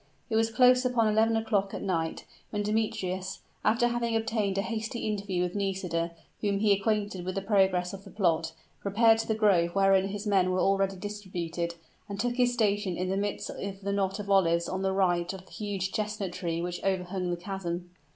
It was close upon eleven o'clock at night, when Demetrius, after having obtained a hasty interview with Nisida, whom he acquainted with the progress of the plot, repaired to the grove wherein his men were already distributed, and took his station in the midst of the knot of olives on the right of the huge chestnut tree which overhung the chasm.